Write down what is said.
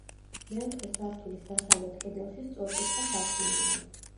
მეოთხე სართულის დასავლეთ კედელში სწორკუთხა სარკმელია.